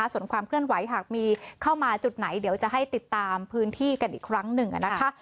ส่วนความเคลื่อนไหวหากมีเข้ามาจุดไหนเดี๋ยวจะให้ติดตามพื้นที่กันอีกครั้งหนึ่งนะคะ